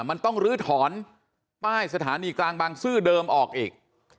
มันต้องลื้อถอนป้ายสถานีกลางบางซื่อเดิมออกอีก